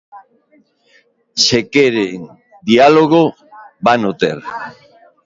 Se queren diálogo, vano ter.